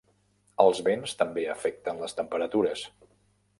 Els vents també afecten les temperatures.